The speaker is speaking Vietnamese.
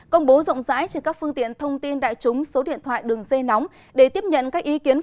công bố rộng rãi trên các phương tiện thông tin đại chúng số điện thoại đường dây nóng để tiếp nhận các ý kiến